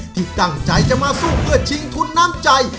ที่ตั้งใจจะมาสู้เพื่อชิงทุนน้ำใจ